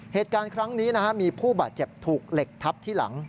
เหตุการณ์ครั้งนี้มีผู้บาดเจ็บถูกเหล็กทับที่หลัง